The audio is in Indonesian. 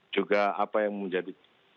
juga apa yang menjadi cita cita besar